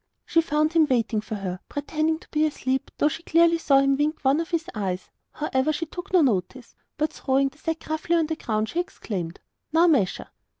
She found him waiting for her, and pretending to be asleep, though she clearly saw him wink one of his eyes. However, she took no notice, but throwing the sack roughly on the ground, she exclaimed: 'Now measure!